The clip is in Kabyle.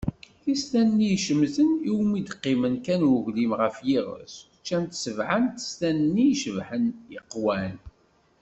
Tistan-nni icemten, iwumi i d-iqqim kan ugwlim ɣef yiɣes, ččant sebɛa n testan-nni icebḥen, iqewwan.